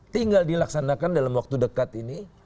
tinggal dilaksanakan dalam waktu dekat ini